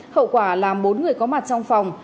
hậu quả là bốn người có mặt trong phòng